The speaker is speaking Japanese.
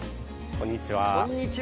こんにちは。